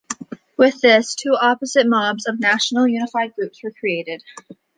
With this, two opposite mobs of national unified groups were created.